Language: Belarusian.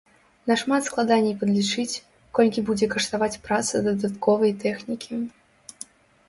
Нашмат складаней падлічыць, колькі будзе каштаваць праца дадатковай тэхнікі.